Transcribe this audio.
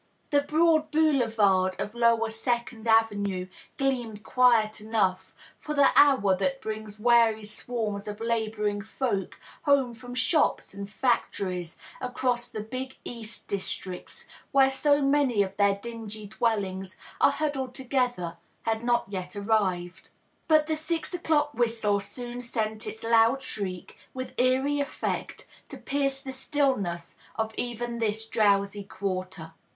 The broad boulevard of lower Second Avenue gleamed quiet enough, for the hour that brings weary swarms of laboring folk home £rom shops and factories across to the big East districts where so many of their dingy dwellings are huddled together, had not yet arrived. But the six o'clock whistle soon sent its loud shriek, with eerie eflect, to pierce the stillness of even this drowsy Quarter.